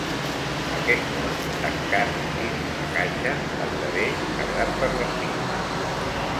Aquest món, tancant dins una caixa, esdevé sagrat per l'artista.